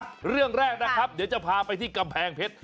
เรื่องแรกนะครับเดี๋ยวจะพาไปที่กำแพงเพชร